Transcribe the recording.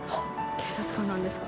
警察官になるんですか。